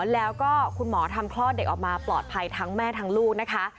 แล้วก็คุณหมอทำคลอดเด็กออกมาปลอดภัยทั้งแม่ทั้งลูกนะคะ